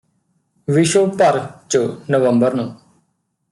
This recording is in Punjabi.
ਵਿਸ਼ਵ ਭਰ ਚ ਨਵੰਬਰ ਨੂੰ